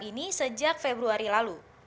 ini sejak februari lalu